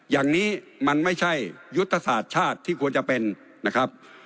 อย่างนี้มันไม่ใช่ยุทธศาสตร์ชาติที่ควรจะเป็นนะครับ